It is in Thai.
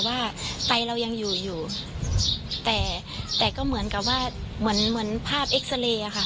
ว่าไตเรายังอยู่อยู่แต่แต่ก็เหมือนกับว่าเหมือนเหมือนภาพเอ็กซาเรย์อ่ะค่ะ